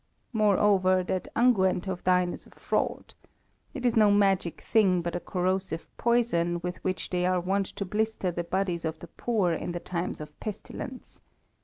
Moreover, that unguent of thine is a fraud. It is no magic thing, but a corrosive poison with which they are wont to blister the bodies of the poor in the times of pestilence.